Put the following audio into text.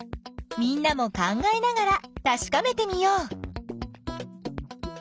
みんなも考えながらたしかめてみよう。